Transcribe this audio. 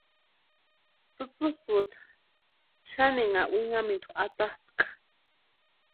Tsïtsïsïcha xaninha winhamintu atapʼikʼa.